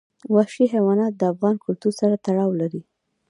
وحشي حیوانات د افغان کلتور سره تړاو لري.